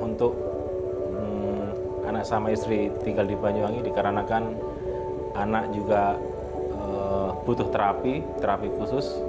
untuk anak sama istri tinggal di banyuwangi dikarenakan anak juga butuh terapi terapi khusus